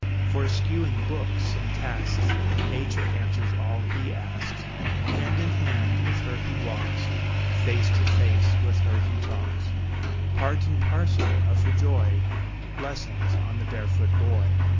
For, eschewing books and tasks, Nature answers all he asks; Hand in hand with her he walks, Face to face with her he talks, Part and parcel of her joy, Blessings on the barefoot boy!